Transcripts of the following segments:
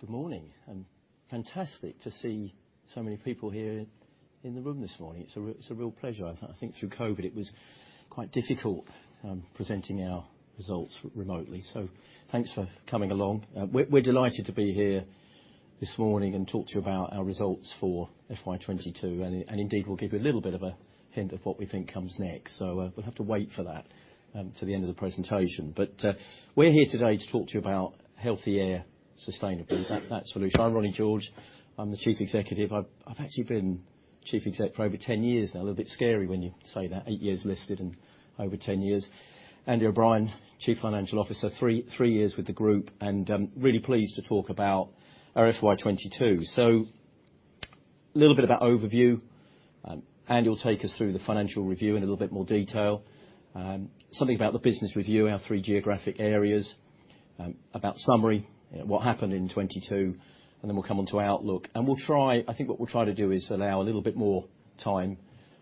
Good morning, fantastic to see so many people here in the room this morning. It's a real pleasure. I think through COVID it was quite difficult presenting our results remotely. Thanks for coming along. We're delighted to be here this morning and talk to you about our results for FY 2022, and indeed, we'll give you a little bit of a hint of what we think comes next. We'll have to wait for that to the end of the presentation. We're here today to talk to you about healthy air sustainably, that solution. I'm Ronnie George, the Chief Executive. I've actually been Chief Exec for over 10 years now. A little bit scary when you say that. 8 years listed and over 10 years. Andy O'Brien, Chief Financial Officer, three years with the group, and really pleased to talk about our FY 2022. A little bit about overview. Andy will take us through the financial review in a little bit more detail. Something about the business review, our 3 geographic areas, about summary, what happened in 2022, and then we'll come on to outlook. We'll try. I think what we'll try to do is allow a little bit more time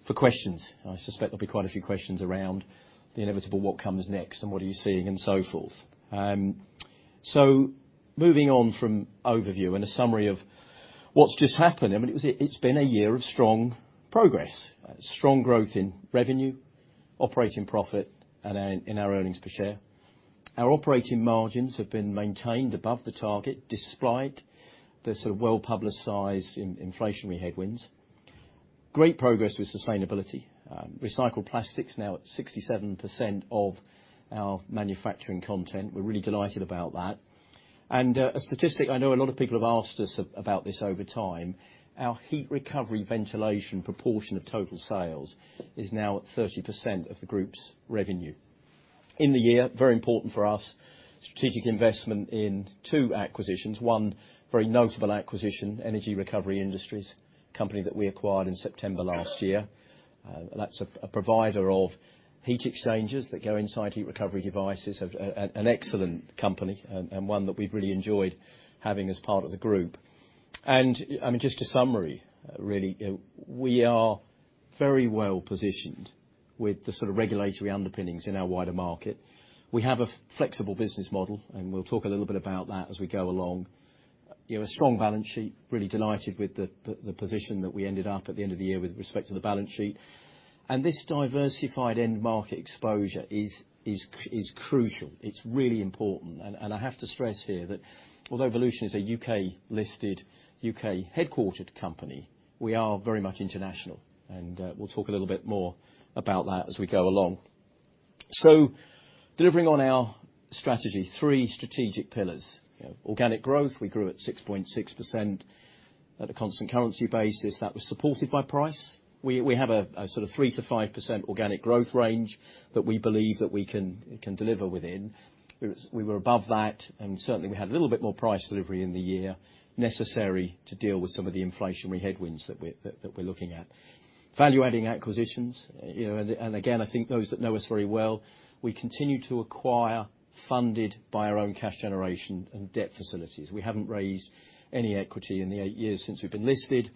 for questions. I suspect there'll be quite a few questions around the inevitable what comes next and what are you seeing and so forth. Moving on from overview and a summary of what's just happened. I mean, it's been a year of strong progress. Strong growth in revenue, operating profit, and in our earnings per share. Our operating margins have been maintained above the target despite the sort of well-publicized inflationary headwinds. Great progress with sustainability. Recycled plastic is now at 67% of our manufacturing content. We're really delighted about that. A statistic I know a lot of people have asked us about this over time, our heat recovery ventilation proportion of total sales is now at 30% of the group's revenue. In the year, very important for us, strategic investment in two acquisitions. One very notable acquisition, Energy Recovery Industries, a company that we acquired in September last year. That's a provider of heat exchangers that go inside heat recovery devices. An excellent company and one that we've really enjoyed having as part of the group. I mean, just a summary really. We are very well positioned with the sort of regulatory underpinnings in our wider market. We have a flexible business model, and we'll talk a little bit about that as we go along. You know, a strong balance sheet. Really delighted with the position that we ended up at the end of the year with respect to the balance sheet. This diversified end market exposure is crucial. It's really important. I have to stress here that although Volution is a UK-listed, UK-headquartered company, we are very much international, and we'll talk a little bit more about that as we go along. Delivering on our strategy, three strategic pillars. Organic growth, we grew at 6.6% at a constant currency basis. That was supported by price. We have a sort of 3%-5% organic growth range that we believe we can deliver within. We were above that, and certainly we had a little bit more price delivery in the year necessary to deal with some of the inflationary headwinds that we're looking at. Value-adding acquisitions, you know, and again, I think those that know us very well, we continue to acquire funded by our own cash generation and debt facilities. We haven't raised any equity in the eight years since we've been listed,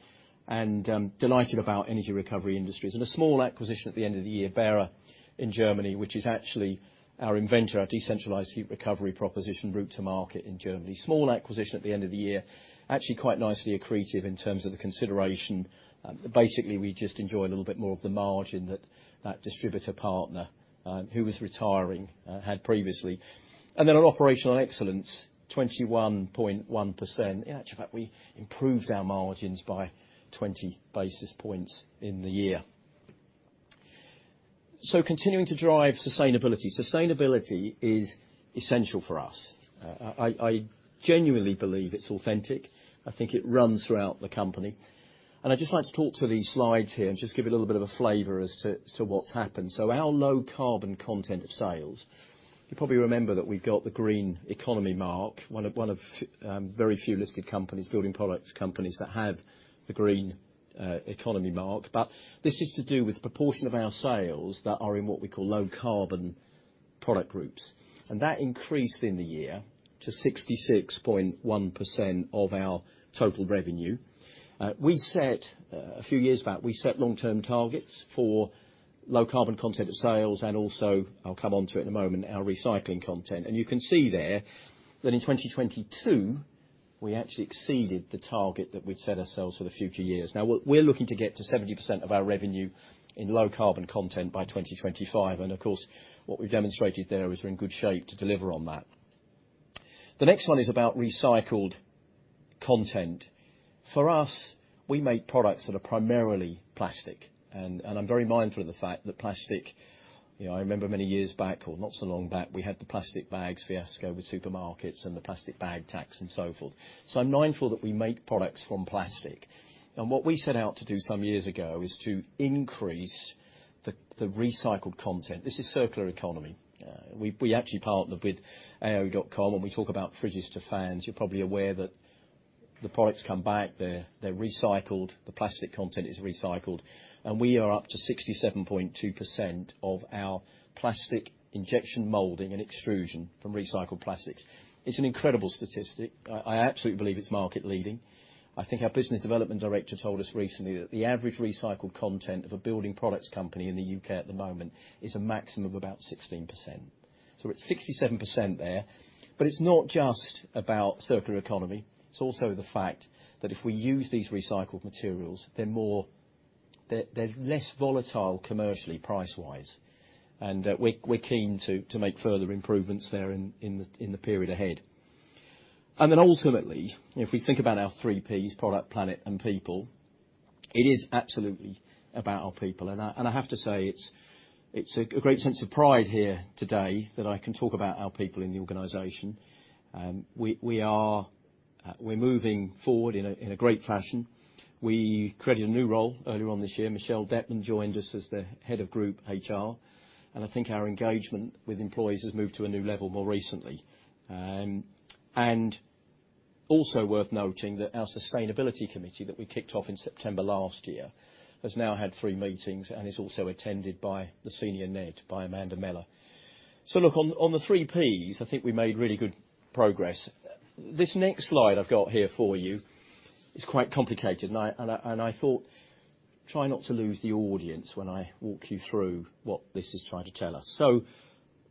and delighted about Energy Recovery Industries. A small acquisition at the end of the year, Bera in Germany, which is actually our inVENTer, our decentralized heat recovery proposition route to market in Germany. Small acquisition at the end of the year, actually quite nicely accretive in terms of the consideration. Basically, we just enjoy a little bit more of the margin that distributor partner, who was retiring, had previously. Then on operational excellence, 21.1%. In actual fact, we improved our margins by 20 basis points in the year. Continuing to drive sustainability. Sustainability is essential for us. I genuinely believe it's authentic. I think it runs throughout the company. I'd just like to talk to these slides here and just give you a little bit of a flavor as to what's happened. Our low carbon content of sales. You probably remember that we've got the Green Economy Mark, one of very few listed companies, building products companies, that have the Green Economy Mark. This is to do with proportion of our sales that are in what we call low carbon product groups. That increased in the year to 66.1% of our total revenue. A few years back, we set long-term targets for low carbon content of sales and also, I'll come onto it in a moment, our recycling content. You can see there that in 2022 we actually exceeded the target that we'd set ourselves for the future years. We're looking to get to 70% of our revenue in low carbon content by 2025, and of course, what we've demonstrated there is we're in good shape to deliver on that. The next one is about recycled content. For us, we make products that are primarily plastic and I'm very mindful of the fact that plastic, you know, I remember many years back, or not so long back, we had the plastic bags fiasco with supermarkets and the plastic bag tax and so forth. I'm mindful that we make products from plastic. What we set out to do some years ago is to increase the recycled content. This is circular economy. We actually partnered with AO.com, and we talk about fridges to fans. You're probably aware that the products come back, they're recycled, the plastic content is recycled, and we are up to 67.2% of our plastic injection molding and extrusion from recycled plastics. It's an incredible statistic. I absolutely believe it's market leading. I think our business development director told us recently that the average recycled content of a building products company in the UK at the moment is a maximum of about 16%. We're at 67% there. It's not just about circular economy, it's also the fact that if we use these recycled materials, they're more, they're less volatile commercially price-wise, and we're keen to make further improvements there in the period ahead. Then ultimately, if we think about our three Ps, product, planet, and people, it is absolutely about our people. I have to say, it's a great sense of pride here today that I can talk about our people in the organization. We're moving forward in a great fashion. We created a new role earlier on this year. Michelle Detten joined us as the head of group HR, and I think our engagement with employees has moved to a new level more recently. Also worth noting that our sustainability committee that we kicked off in September last year has now had three meetings and is also attended by the senior NED, by Amanda Mellor. Look, on the three Ps, I think we made really good progress. This next slide I've got here for you is quite complicated, and I thought, try not to lose the audience when I walk you through what this is trying to tell us.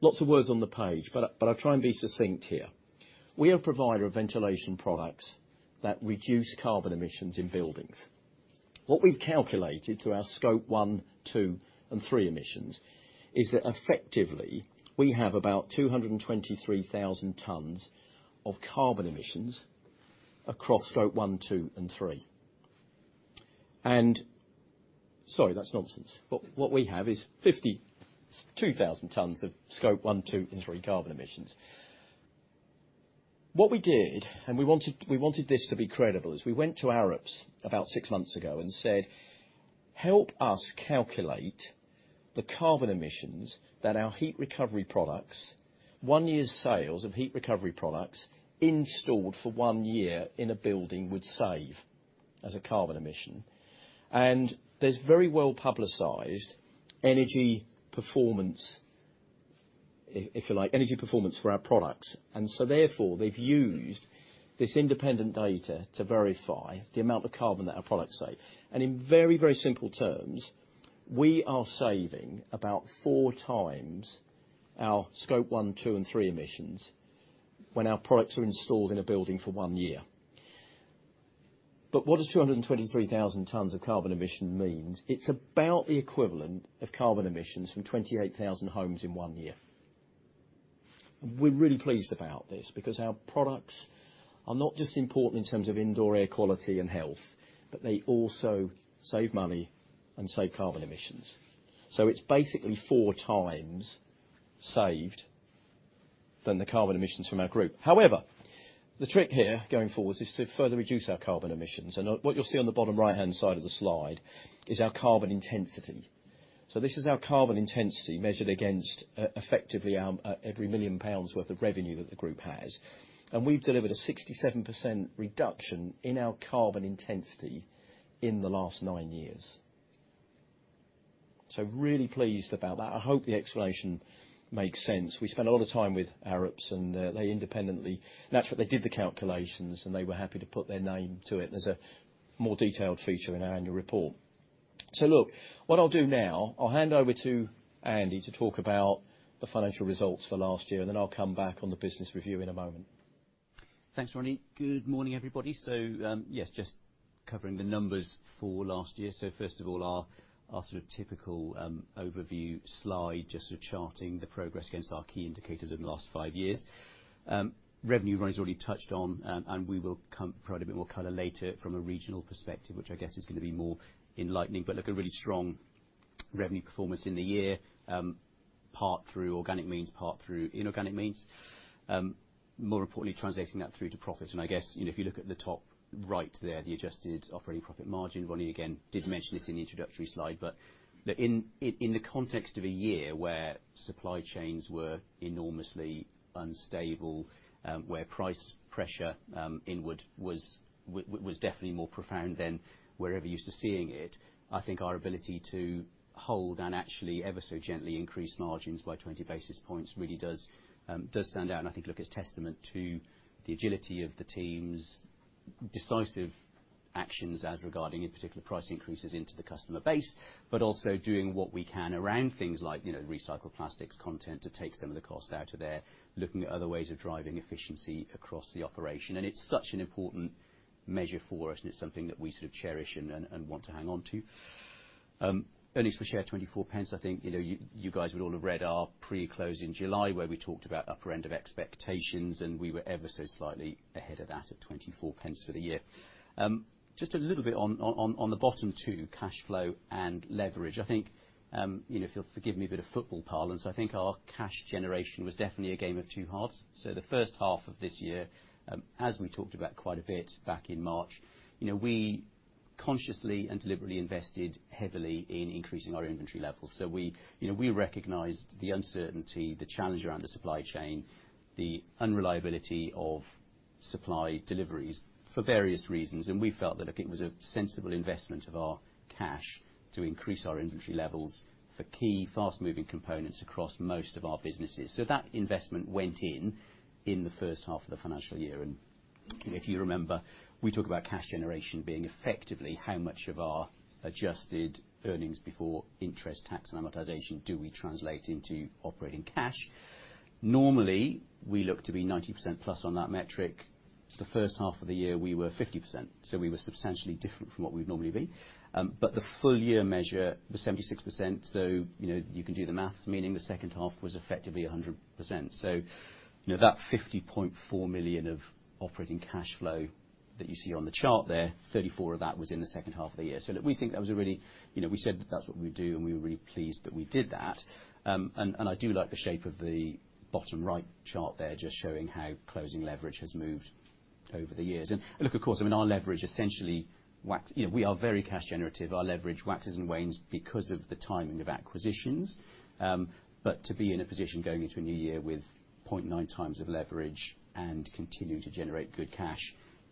Lots of words on the page, but I'll try and be succinct here. We are a provider of ventilation products that reduce carbon emissions in buildings. What we've calculated through our Scope one, two, and emissions is that effectively we have about 223,000 tons of carbon emissions across Scope 1, 2, and 3. Sorry, that's nonsense. What we have is 52,000 tons of Scope 1, 2, and 3 carbon emissions. What we did, and we wanted this to be credible, is we went to Arup about six months ago and said, "Help us calculate the carbon emissions that our heat recovery products, one year's sales of heat recovery products installed for one year in a building would save as a carbon emission." There's very well-publicized energy performance, if you like, energy performance for our products, and so therefore, they've used this independent data to verify the amount of carbon that our products save. In very, very simple terms, we are saving about four times our Scope 1, 2, and 3 emissions when our products are installed in a building for one year. What does 223,000 tons of carbon emission means? It's about the equivalent of carbon emissions from 28,000 homes in one year. We're really pleased about this because our products are not just important in terms of indoor air quality and health, but they also save money and save carbon emissions. It's basically four times saved than the carbon emissions from our group. However, the trick here, going forward, is to further reduce our carbon emissions. What you'll see on the bottom right-hand side of the slide is our carbon intensity. This is our carbon intensity measured against, effectively our every 1 million pounds worth of revenue that the group has. We've delivered a 67% reduction in our carbon intensity in the last nine years. Really pleased about that. I hope the explanation makes sense. We spent a lot of time with Arup, and they independently did the calculations, and they were happy to put their name to it. There's a more detailed feature in our annual report. Look, what I'll do now, I'll hand over to Andy to talk about the financial results for last year, and then I'll come back on the business review in a moment. Thanks, Ronnie. Good morning, everybody. Yes, just covering the numbers for last year. First of all, our sort of typical overview slide, just sort of charting the progress against our key indicators over the last five years. Revenue Ronnie's already touched on, and we will provide a bit more color later from a regional perspective, which I guess is gonna be more enlightening. Look, a really strong revenue performance in the year, part through organic means, part through inorganic means. More importantly, translating that through to profit. I guess, you know, if you look at the top right there, the adjusted operating profit margin, Ronnie again did mention this in the introductory slide. In the context of a year where supply chains were enormously unstable, where price pressure inward was definitely more profound than we're ever used to seeing it, I think our ability to hold and actually ever so gently increase margins by 20 basis points really does stand out. I think, look, it's testament to the agility of the teams, decisive actions as regarding in particular price increases into the customer base. Also doing what we can around things like, you know, recycled plastics content to take some of the cost out of there, looking at other ways of driving efficiency across the operation, and it's such an important measure for us, and it's something that we sort of cherish and want to hang on to. Earnings per share 24 pence. I think, you know, you guys would all have read our pre-close in July, where we talked about upper end of expectations, and we were ever so slightly ahead of that at 0.24 for the year. Just a little bit on the bottom two, cash flow and leverage. I think, you know, if you'll forgive me a bit of football parlance, I think our cash generation was definitely a game of two halves. The first half of this year, as we talked about quite a bit back in March, you know, we consciously and deliberately invested heavily in increasing our inventory levels. We, you know, we recognized the uncertainty, the challenge around the supply chain, the unreliability of supply deliveries for various reasons, and we felt that, look, it was a sensible investment of our cash to increase our inventory levels for key fast-moving components across most of our businesses. That investment went in in the first half of the financial year, and, you know, if you remember, we talk about cash generation being effectively how much of our adjusted earnings before interest, tax, and amortization do we translate into operating cash. Normally, we look to be 90% plus on that metric. The first half of the year we were 50%, so we were substantially different from what we'd normally be. But the full year measure was 76%, so, you know, you can do the math, meaning the second half was effectively 100%. You know that 50.4 million of operating cash flow that you see on the chart there, 34 of that was in the second half of the year. Look, we think that was a really, you know, we said that's what we would do, and we were really pleased that we did that. I do like the shape of the bottom right chart there, just showing how closing leverage has moved over the years. Look, of course, I mean, our leverage essentially waxes, you know, we are very cash generative. Our leverage waxes and wanes because of the timing of acquisitions. To be in a position going into a new year with 0.9x leverage and continuing to generate good cash,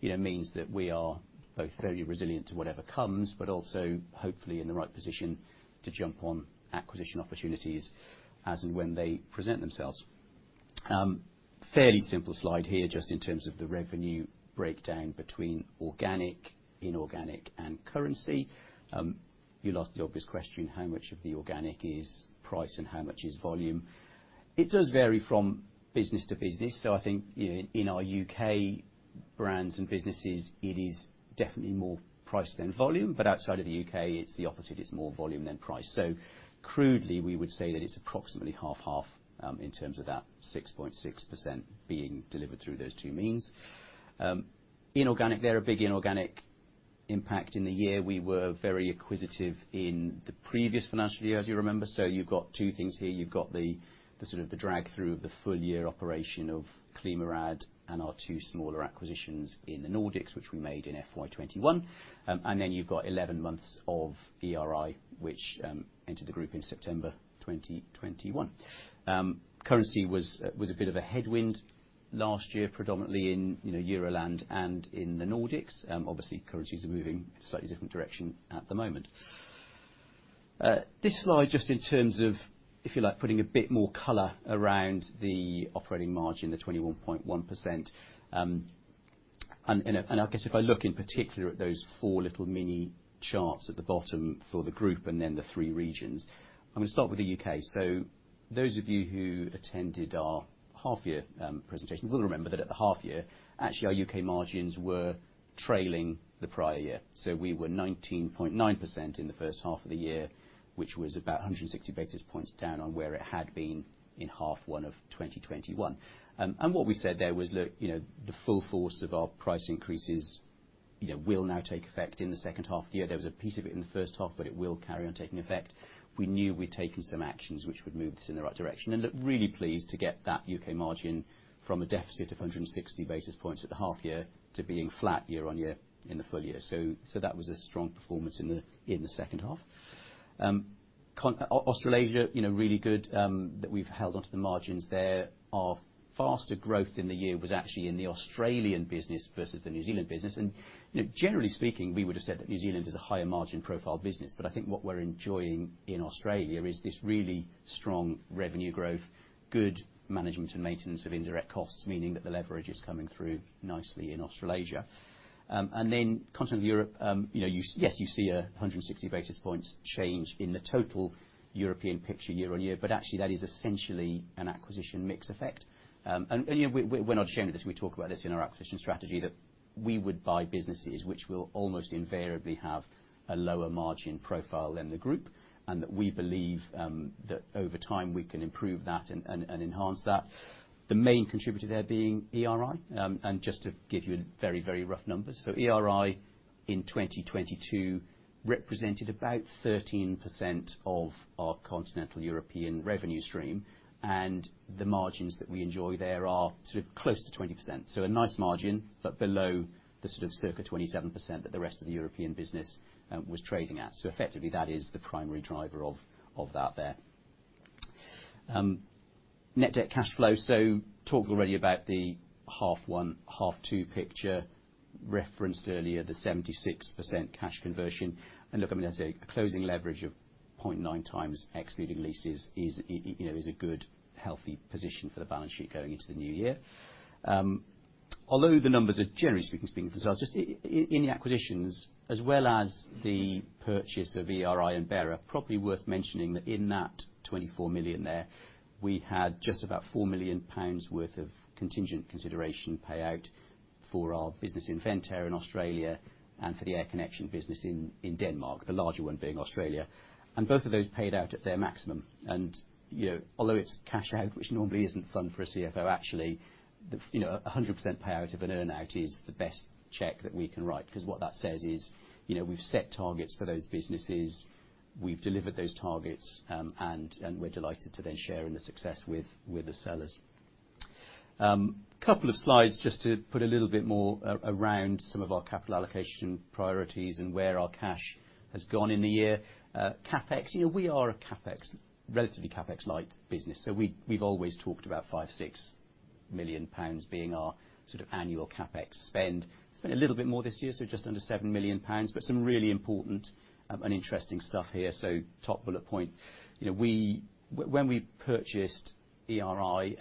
you know, means that we are both fairly resilient to whatever comes, but also hopefully in the right position to jump on acquisition opportunities as and when they present themselves. Fairly simple slide here, just in terms of the revenue breakdown between organic, inorganic, and currency. You'll ask the obvious question, how much of the organic is price and how much is volume? It does vary from business to business. I think, you know, in our UK brands and businesses, it is definitely more price than volume. Outside of the UK, it's the opposite, it's more volume than price. Crudely, we would say that it's approximately half/half in terms of that 6.6% being delivered through those two means. Inorganic, there was a big inorganic impact in the year. We were very acquisitive in the previous financial year, as you remember. You've got two things here. You've got the sort of drag through of the full year operation of ClimaRad and our two smaller acquisitions in the Nordics, which we made in FY 2021. And then you've got 11 months of ERI, which entered the group in September 2021. Currency was a bit of a headwind last year, predominantly in, you know, Euro land and in the Nordics. Obviously currencies are moving slightly different direction at the moment. This slide just in terms of, if you like, putting a bit more color around the operating margin, the 21.1%. And I guess if I look in particular at those four little mini charts at the bottom for the group and then the three regions, I'm gonna start with the UK. Those of you who attended our half year presentation will remember that at the half year, actually our UK margins were trailing the prior year. We were 19.9% in the first half of the year, which was about 160 basis points down on where it had been in half one of 2021. What we said there was look, you know, the full force of our price increases, you know, will now take effect in the second half of the year. There was a piece of it in the first half, but it will carry on taking effect. We knew we'd taken some actions which would move this in the right direction, and look, really pleased to get that UK margin from a deficit of 160 basis points at the half year to being flat year-on-year in the full year. That was a strong performance in the second half. Australasia, you know, really good, that we've held onto the margins there. Our faster growth in the year was actually in the Australian business versus the New Zealand business. You know, generally speaking, we would've said that New Zealand is a higher margin profile business. I think what we're enjoying in Australia is this really strong revenue growth, good management and maintenance of indirect costs, meaning that the leverage is coming through nicely in Australasia. Continental Europe, yes, you see 160 basis points change in the total European picture year-on-year, but actually that is essentially an acquisition mix effect. We're not ashamed of this, and we talk about this in our acquisition strategy, that we would buy businesses which will almost invariably have a lower margin profile than the group. That we believe that over time we can improve that and enhance that. The main contributor there being ERI. Just to give you very, very rough numbers. ERI in 2022 represented about 13% of our continental European revenue stream, and the margins that we enjoy there are sort of close to 20%. A nice margin, but below the sort of circa 27% that the rest of the European business was trading at. Effectively that is the primary driver of that there. Net debt cash flow. Talked already about the half one, half two picture referenced earlier, the 76% cash conversion. Look, I mean, as a closing leverage of 0.9x leaving leases is a good healthy position for the balance sheet going into the new year. Although the numbers are generally speaking for themselves, just in the acquisitions as well as the purchase of ERI and Bera, probably worth mentioning that in that 24 million there, we had just about 4 million pounds worth of contingent consideration payout for our business Ventair in Australia and for the Air Connection business in Denmark, the larger one being Australia. Both of those paid out at their maximum. You know, although it's cash out, which normally isn't fun for a CFO, actually, you know, 100% payout of an earn out is the best check that we can write, 'cause what that says is, you know, we've set targets for those businesses, we've delivered those targets, and we're delighted to then share in the success with the sellers. Couple of slides just to put a little bit more around some of our capital allocation priorities and where our cash has gone in the year. CapEx, you know, we are a CapEx, relatively CapEx light business, so we've always talked about 5-6 million pounds being our sort of annual CapEx spend. Spent a little bit more this year, so just under 7 million pounds, but some really important and interesting stuff here. Top bullet point. You know, when we purchased ERI,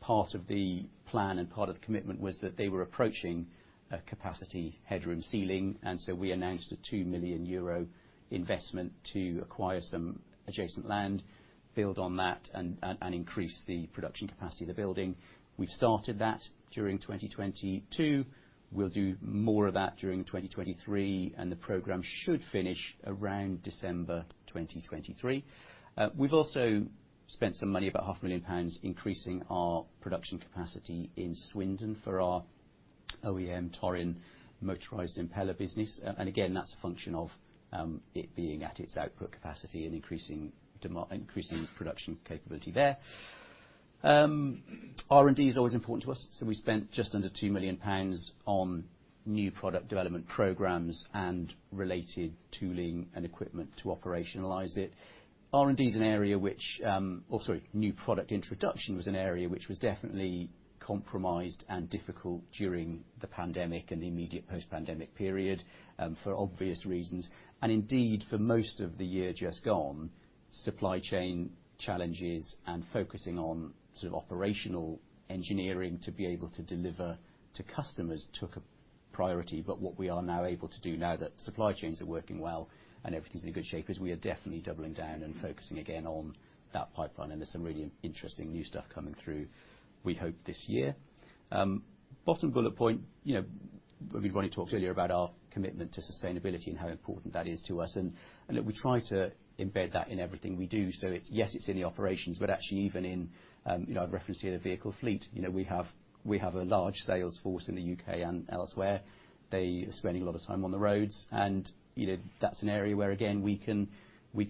part of the plan and part of the commitment was that they were approaching a capacity headroom ceiling, and so we announced a 2 million euro investment to acquire some adjacent land, build on that, and increase the production capacity of the building. We've started that during 2022. We'll do more of that during 2023, and the program should finish around December 2023. We've also spent some money, about half a million pounds, increasing our production capacity in Swindon for our OEM Torin motorized impeller business. And again, that's a function of it being at its output capacity and increasing production capability there. R&D is always important to us, so we spent just under 2 million pounds on new product development programs and related tooling and equipment to operationalize it. R&D is an area which also new product introduction was an area which was definitely compromised and difficult during the pandemic and the immediate post-pandemic period, for obvious reasons. Indeed, for most of the year just gone, supply chain challenges and focusing on sort of operational engineering to be able to deliver to customers took a priority. What we are now able to do now that supply chains are working well and everything's in a good shape is we are definitely doubling down and focusing again on that pipeline, and there's some really interesting new stuff coming through, we hope this year. Bottom bullet point, you know, we've already talked earlier about our commitment to sustainability and how important that is to us, and that we try to embed that in everything we do. It's, yes, it's in the operations, but actually even in, you know, I've referenced here the vehicle fleet. You know, we have a large sales force in the UK and elsewhere. They are spending a lot of time on the roads and, you know, that's an area where again we can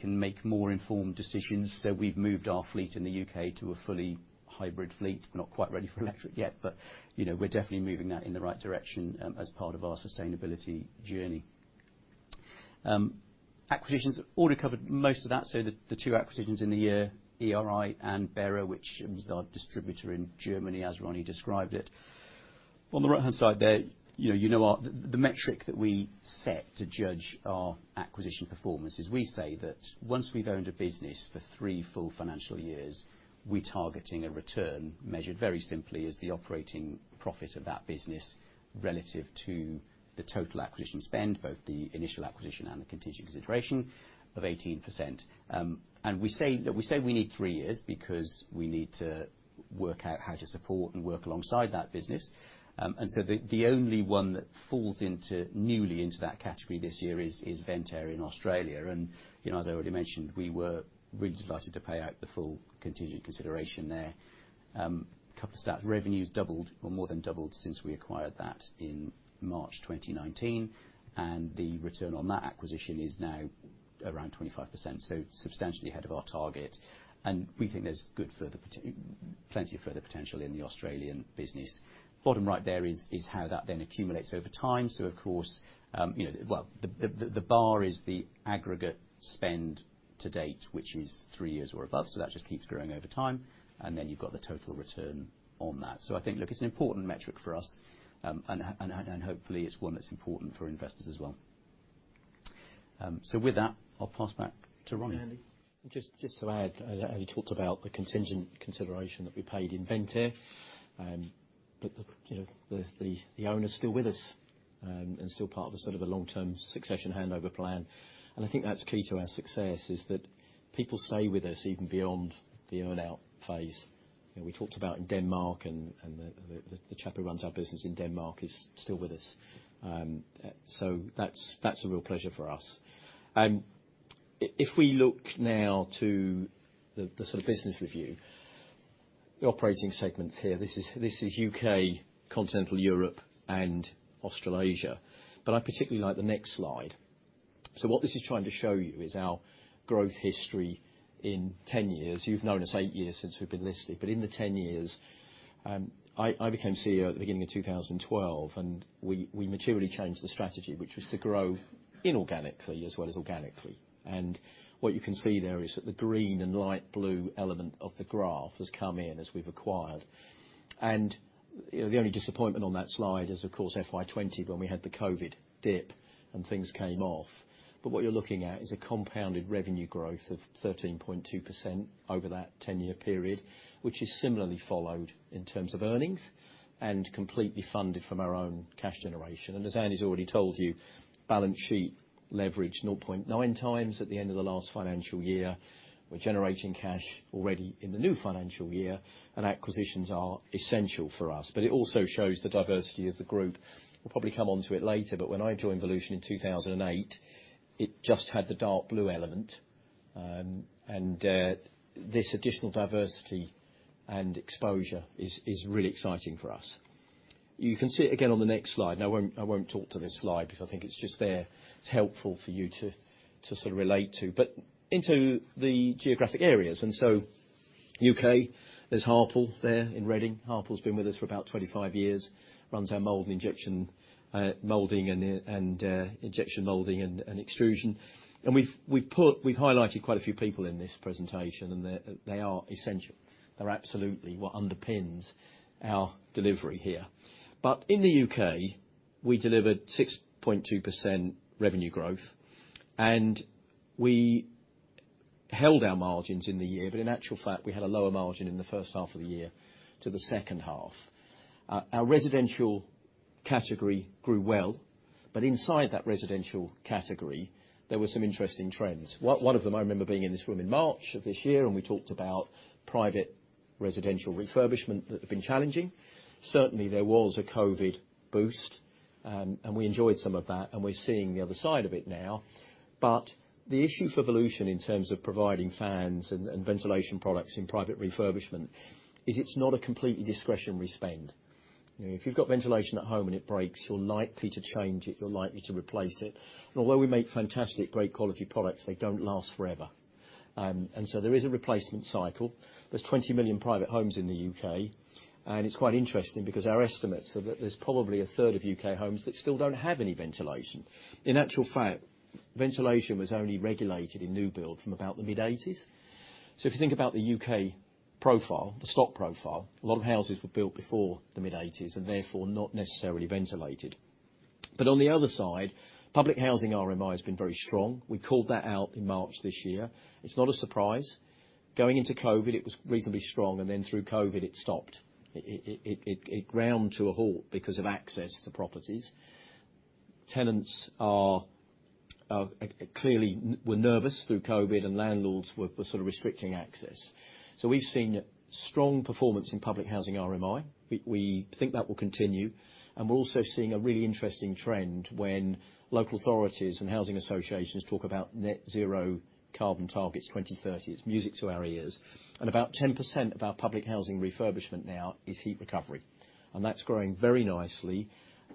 make more informed decisions. We've moved our fleet in the UK to a fully hybrid fleet. Not quite ready for electric yet, but you know, we're definitely moving that in the right direction as part of our sustainability journey. Acquisitions, already covered most of that, so the 2 acquisitions in the year, ERI and Bera, which is our distributor in Germany, as Ronnie described it. On the right-hand side there, you know, the metric that we set to judge our acquisition performance is we say that once we've owned a business for 3 full financial years, we're targeting a return measured very simply as the operating profit of that business relative to the total acquisition spend, both the initial acquisition and the contingent consideration of 18%. We say we need 3 years because we need to work out how to support and work alongside that business. The only one that falls into newly into that category this year is Ventair in Australia. You know, as I already mentioned, we were really delighted to pay out the full contingent consideration there. Couple stats. Revenue's doubled, or more than doubled since we acquired that in March 2019, and the return on that acquisition is now around 25%, so substantially ahead of our target. We think there's good further plenty of further potential in the Australian business. Bottom right there is how that then accumulates over time. Of course, you know, well, the bar is the aggregate spend to date, which is three years or above, so that just keeps growing over time, and then you've got the total return on that. I think, look, it's an important metric for us, and hopefully it's one that's important for investors as well. With that, I'll pass back to Ronnie. Andy. Just to add, as you talked about the contingent consideration that we paid Ventair, but, you know, the owner's still with us, and still part of the sort of a long-term succession handover plan. I think that's key to our success is that people stay with us even beyond the earn-out phase. You know, we talked about in Denmark and the chap who runs our business in Denmark is still with us. That's a real pleasure for us. If we look now to the sort of business review, the operating segments here. This is UK, Continental Europe and Australasia, but I particularly like the next slide. What this is trying to show you is our growth history in 10 years. You've known us 8 years since we've been listed, but in the 10 years, I became CEO at the beginning of 2012, and we materially changed the strategy, which was to grow inorganically as well as organically. What you can see there is that the green and light blue element of the graph has come in as we've acquired. You know, the only disappointment on that slide is, of course, FY 20 when we had the COVID dip and things came off. What you're looking at is a compounded revenue growth of 13.2% over that 10-year period, which is similarly followed in terms of earnings and completely funded from our own cash generation. As Andy's already told you, balance sheet leverage 0.9 times at the end of the last financial year. We're generating cash already in the new financial year, and acquisitions are essential for us. It also shows the diversity of the group. We'll probably come onto it later, but when I joined Volution in 2008, it just had the dark blue element. This additional diversity and exposure is really exciting for us. You can see it again on the next slide, and I won't talk to this slide because I think it's just there. It's helpful for you to sort of relate to. Into the geographic areas, UK, there's Harpal there in Reading. Harpal's been with us for about 25 years, runs our mold and injection molding and extrusion. We've highlighted quite a few people in this presentation, and they're essential. They're absolutely what underpins our delivery here. In the UK, we delivered 6.2% revenue growth, and we held our margins in the year. In actual fact, we had a lower margin in the first half of the year to the second half. Our residential category grew well, but inside that residential category, there were some interesting trends. One of them I remember being in this room in March of this year, and we talked about private residential refurbishment that had been challenging. Certainly, there was a COVID boost, and we enjoyed some of that, and we're seeing the other side of it now. The issue for Volution in terms of providing fans and ventilation products in private refurbishment is it's not a completely discretionary spend. You know, if you've got ventilation at home and it breaks, you're likely to change it, you're likely to replace it. Although we make fantastic, great quality products, they don't last forever. There is a replacement cycle. There's 20 million private homes in the UK, and it's quite interesting because our estimates are that there's probably a third of UK homes that still don't have any ventilation. In actual fact, ventilation was only regulated in new build from about the mid-1980s. If you think about the UK profile, the stock profile, a lot of houses were built before the mid-1980s and therefore not necessarily ventilated. On the other side, public housing RMI has been very strong. We called that out in March this year. It's not a surprise. Going into COVID, it was reasonably strong, and then through COVID, it stopped. It ground to a halt because of access to properties. Tenants clearly were nervous through COVID, and landlords were sort of restricting access. We've seen strong performance in public housing RMI. We think that will continue, and we're also seeing a really interesting trend when local authorities and housing associations talk about net zero carbon targets 2030. It's music to our ears. About 10% of our public housing refurbishment now is heat recovery, and that's growing very nicely.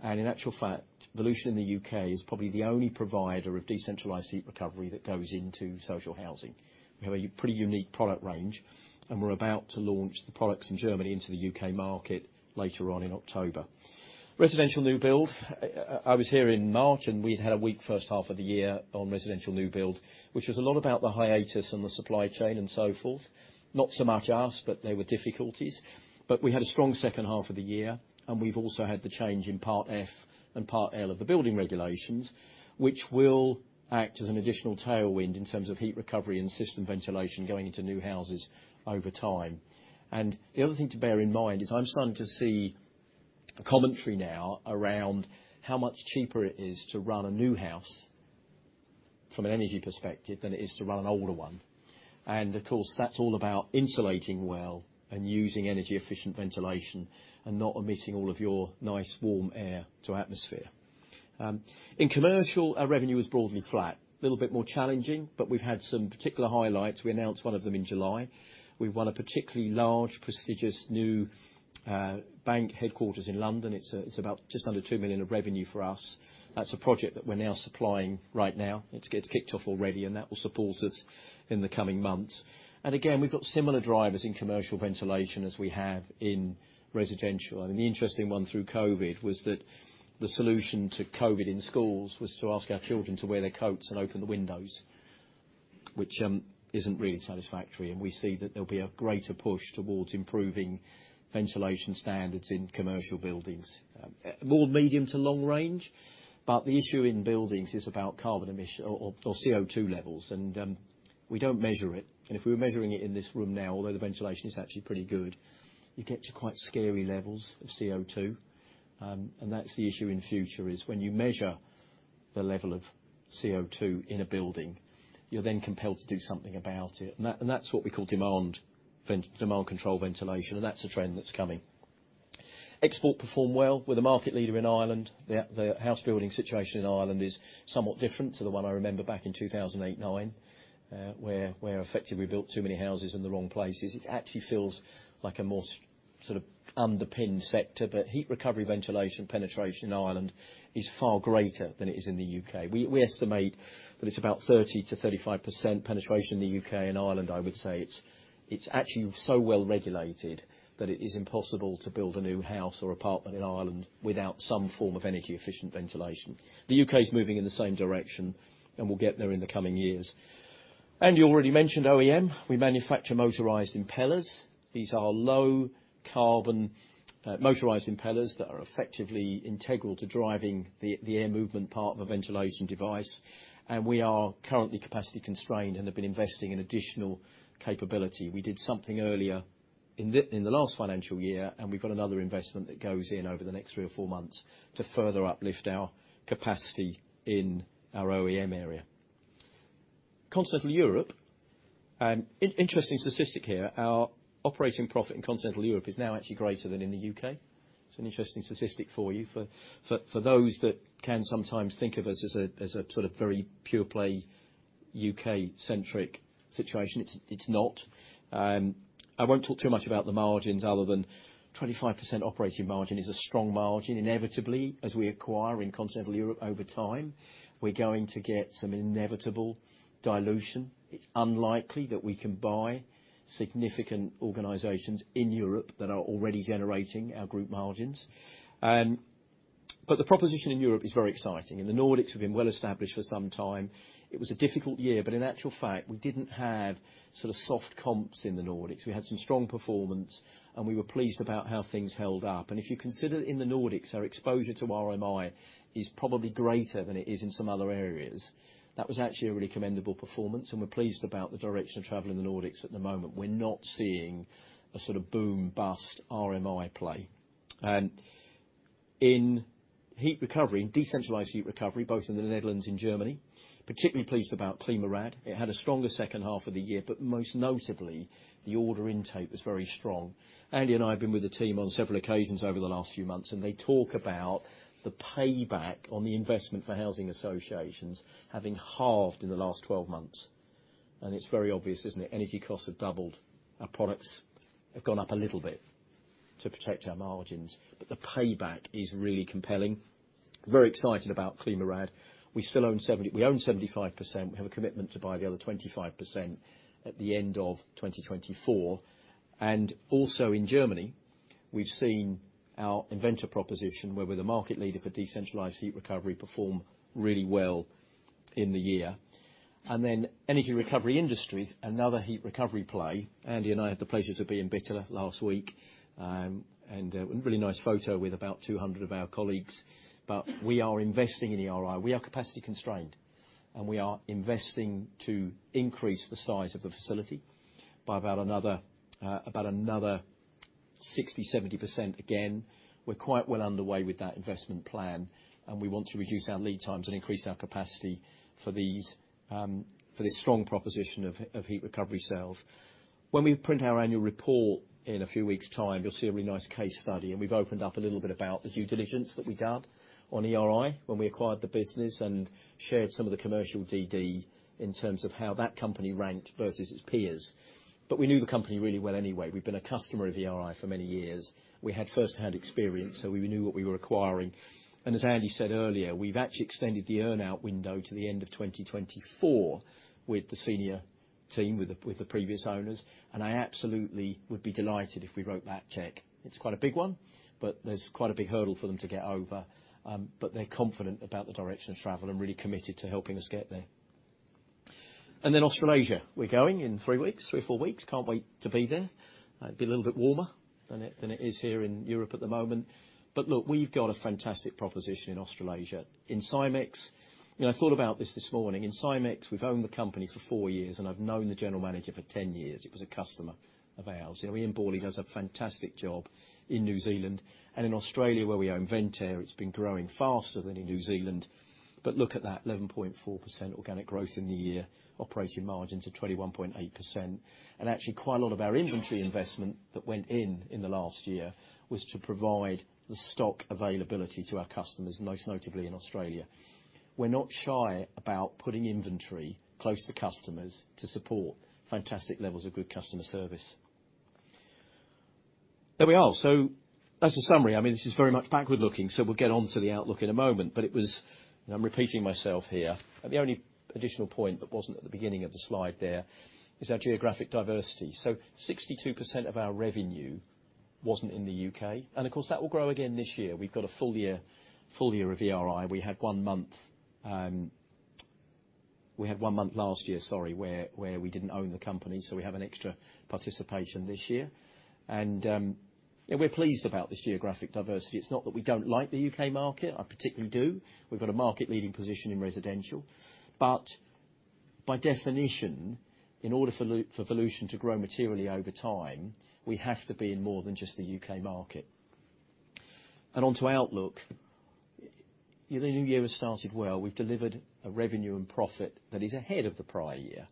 In actual fact, Volution in the UK is probably the only provider of decentralized heat recovery that goes into social housing. We have a pretty unique product range, and we're about to launch the products in Germany into the UK market later on in October. Residential new build. I was here in March, and we'd had a weak first half of the year on residential new build, which was a lot about the hiatus and the supply chain and so forth. Not so much us, but there were difficulties. We had a strong second half of the year, and we've also had the change in Part F and Part L of the building regulations, which will act as an additional tailwind in terms of heat recovery and system ventilation going into new houses over time. The other thing to bear in mind is I'm starting to see a commentary now around how much cheaper it is to run a new house from an energy perspective than it is to run an older one. Of course, that's all about insulating well and using energy-efficient ventilation and not emitting all of your nice warm air to atmosphere. In commercial, our revenue is broadly flat. Little bit more challenging, but we've had some particular highlights. We announced one of them in July. We've won a particularly large, prestigious new bank headquarters in London. It's about just under 2 million of revenue for us. That's a project that we're now supplying right now. It's kicked off already, and that will support us in the coming months. Again, we've got similar drivers in commercial ventilation as we have in residential. I mean, the interesting one through COVID was that the solution to COVID in schools was to ask our children to wear their coats and open the windows, which isn't really satisfactory, and we see that there'll be a greater push towards improving ventilation standards in commercial buildings. More medium to long range, but the issue in buildings is about carbon emissions or CO2 levels, and we don't measure it. If we were measuring it in this room now, although the ventilation is actually pretty good, you get to quite scary levels of CO2. That's the issue in future, is when you measure the level of CO2 in a building, you're then compelled to do something about it. That's what we call demand controlled ventilation, and that's a trend that's coming. Export performed well. We're the market leader in Ireland. The house building situation in Ireland is somewhat different to the one I remember back in 2008-09, where effectively we built too many houses in the wrong places. It actually feels like a more sort of underpinned sector, but heat recovery ventilation penetration in Ireland is far greater than it is in the UK. We estimate that it's about 30%-35% penetration in the UK and Ireland, I would say. It's actually so well-regulated that it is impossible to build a new house or apartment in Ireland without some form of energy-efficient ventilation. The UK is moving in the same direction, and we'll get there in the coming years. You already mentioned OEM. We manufacture motorized impellers. These are low-carbon, motorized impellers that are effectively integral to driving the air movement part of a ventilation device. We are currently capacity constrained and have been investing in additional capability. We did something earlier in the last financial year, and we've got another investment that goes in over the next three or four months to further uplift our capacity in our OEM area. Continental Europe, interesting statistic here. Our operating profit in continental Europe is now actually greater than in the UK. It's an interesting statistic for you. For those that can sometimes think of us as a sort of very pure play, UK-centric situation, it's not. I won't talk too much about the margins other than 25% operating margin is a strong margin. Inevitably, as we acquire in continental Europe over time, we're going to get some inevitable dilution. It's unlikely that we can buy significant organizations in Europe that are already generating our group margins. The proposition in Europe is very exciting. In the Nordics, we've been well established for some time. It was a difficult year, but in actual fact, we didn't have sort of soft comps in the Nordics. We had some strong performance, and we were pleased about how things held up. If you consider in the Nordics, our exposure to RMI is probably greater than it is in some other areas. That was actually a really commendable performance, and we're pleased about the direction of travel in the Nordics at the moment. We're not seeing a sort of boom-bust RMI play. In heat recovery, in decentralized heat recovery, both in the Netherlands and Germany, particularly pleased about ClimaRad. It had a stronger second half of the year, but most notably, the order intake was very strong. Andy and I have been with the team on several occasions over the last few months, and they talk about the payback on the investment for housing associations having halved in the last 12 months. It's very obvious, isn't it? Energy costs have doubled. Our products have gone up a little bit to protect our margins, but the payback is really compelling. Very excited about ClimaRad. We still own 75%. We have a commitment to buy the other 25% at the end of 2024. In Germany, we've seen our inVENTer proposition, where we're the market leader for decentralized heat recovery, perform really well in the year. Then Energy Recovery Industries, another heat recovery play. Andy and I had the pleasure to be in Bitola last week, and really nice photo with about 200 of our colleagues. We are investing in ERI. We are capacity constrained, and we are investing to increase the size of the facility by about another 60%-70% again. We're quite well underway with that investment plan, and we want to reduce our lead times and increase our capacity for this strong proposition of heat recovery sales. When we print our annual report in a few weeks' time, you'll see a really nice case study, and we've opened up a little bit about the due diligence that we did on ERI when we acquired the business and shared some of the commercial DD in terms of how that company ranked versus its peers. We knew the company really well anyway. We've been a customer of ERI for many years. We had first-hand experience, so we knew what we were acquiring. As Andy said earlier, we've actually extended the earn-out window to the end of 2024 with the senior team, with the previous owners, and I absolutely would be delighted if we wrote that check. It's quite a big one, but there's quite a big hurdle for them to get over. They're confident about the direction of travel and really committed to helping us get there. Australasia, we're going in 3 weeks, 3 or 4 weeks. Can't wait to be there. It'll be a little bit warmer than it is here in Europe at the moment. We've got a fantastic proposition in Australasia. In Simx, you know, I thought about this this morning. In Simx, we've owned the company for 4 years, and I've known the general manager for 10 years. He was a customer of ours. You know, Ian Bawley does a fantastic job in New Zealand, and in Australia, where we own Ventair, it's been growing faster than in New Zealand. Look at that 11.4% organic growth in the year, operating margin to 21.8%. Actually, quite a lot of our inventory investment that went in in the last year was to provide the stock availability to our customers, most notably in Australia. We're not shy about putting inventory close to customers to support fantastic levels of good customer service. There we are. That's the summary. I mean, this is very much backward looking, we'll get on to the outlook in a moment. It was, and I'm repeating myself here, the only additional point that wasn't at the beginning of the slide there is our geographic diversity. 62% of our revenue wasn't in the UK, and of course, that will grow again this year. We've got a full year of ERI. We had one month last year, sorry, where we didn't own the company, so we have an extra participation this year. We're pleased about this geographic diversity. It's not that we don't like the UK market. I particularly do. We've got a market-leading position in residential. By definition, in order for Volution to grow materially over time, we have to be in more than just the UK market. Onto outlook, the new year was started well. We've delivered a revenue and profit that is ahead of the prior year.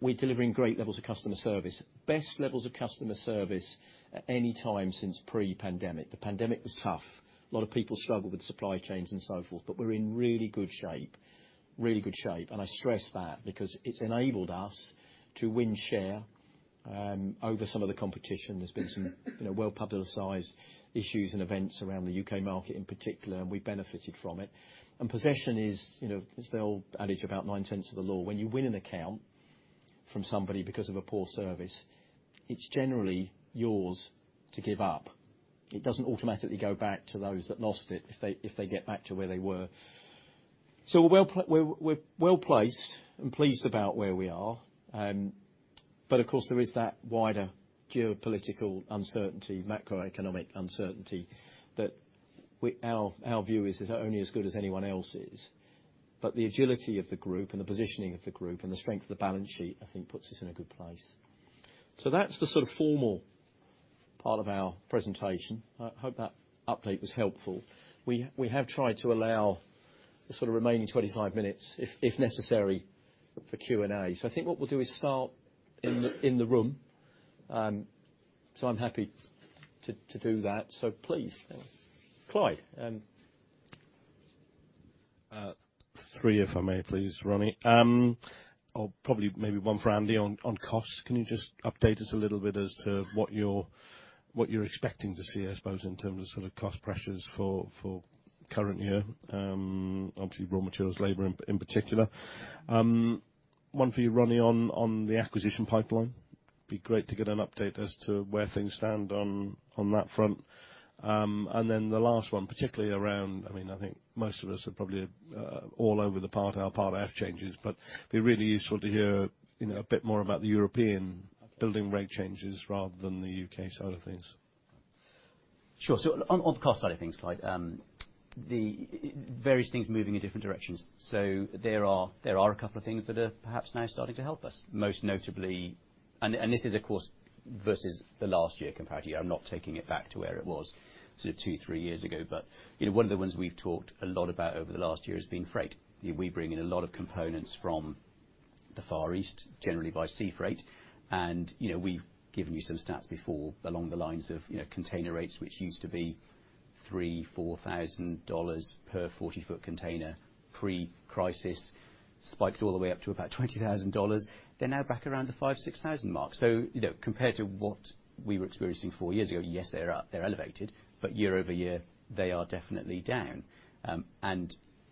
We're delivering great levels of customer service, best levels of customer service at any time since pre-pandemic. The pandemic was tough. A lot of people struggled with supply chains and so forth, but we're in really good shape. Really good shape. I stress that because it's enabled us to win share over some of the competition. There's been some, you know, well-publicized issues and events around the UK market in particular, and we benefited from it. Possession is, you know, as the old adage about nine-tenths of the law, when you win an account from somebody because of a poor service, it's generally yours to give up. It doesn't automatically go back to those that lost it if they get back to where they were. We're well-placed and pleased about where we are. But of course, there is that wider geopolitical uncertainty, macroeconomic uncertainty that our view is only as good as anyone else's. The agility of the group and the positioning of the group and the strength of the balance sheet, I think, puts us in a good place. That's the sort of formal part of our presentation. I hope that update was helpful. We have tried to allow the sort of remaining 25 minutes if necessary for Q&A. I think what we'll do is start in the room. I'm happy to do that. Please, Clyde. Three, if I may please, Ronnie. Or probably maybe one for Andy on costs. Can you just update us a little bit as to what you're expecting to see, I suppose, in terms of sort of cost pressures for current year? Obviously raw materials, labor in particular. One for you, Ronnie, on the acquisition pipeline. Be great to get an update as to where things stand on that front. The last one, particularly around, I mean, I think most of us are probably all over the Part L, Part F changes, but be really useful to hear, you know, a bit more about the European building regs changes rather than the U.K. side of things. Sure. On the cost side of things, Clyde, the various things moving in different directions. There are a couple of things that are perhaps now starting to help us, most notably. This is, of course, versus the last year, comparatively. I'm not taking it back to where it was sort of 2-3 years ago. You know, one of the ones we've talked a lot about over the last year has been freight. We bring in a lot of components from the Far East, generally by sea freight. You know, we've given you some stats before along the lines of, you know, container rates, which used to be $3,000-$4,000 per 40-foot container pre-crisis, spiked all the way up to about $20,000. They're now back around the $5,000-$6,000 mark. You know, compared to what we were experiencing four years ago, yes, they're up, they're elevated, but year-over-year, they are definitely down.